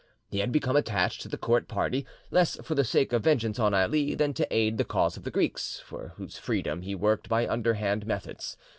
He had become attached to the court party, less for the sake of vengeance on Ali than to aid the cause of the Greeks, for whose freedom he worked by underhand methods.